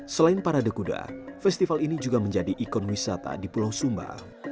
selain parade kuda festival ini juga menjadi ikon wisata di pulau sumba